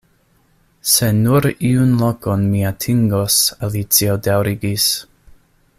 "Se nur iun lokon mi atingos," Alicio daŭrigis.